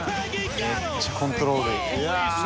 めっちゃコントロールいい。